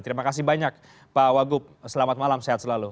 terima kasih banyak pak wagub selamat malam sehat selalu